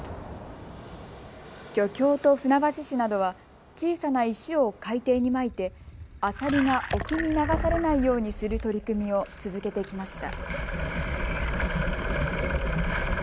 漁協と船橋市などは小さな石を海底にまいてアサリが沖に流されないようにする取り組みを続けてきました。